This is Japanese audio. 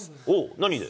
何で？